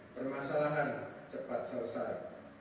permasalahan cepat selesai